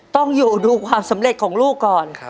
ต้องอยู่ดูความสำเร็จของลูกก่อน